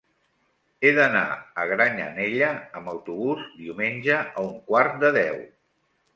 He d'anar a Granyanella amb autobús diumenge a un quart de deu.